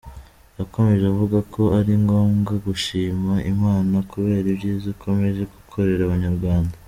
Yakomeje avuga ko ari ngombwa gushima Imana kubera ibyiza ikomeje gukorera Abanyarwanda.